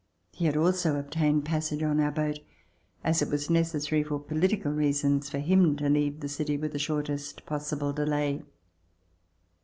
He had also ob tained passage on our boat, as it was necessary for poHtical reasons for him to leave the city with the shortest possible delay.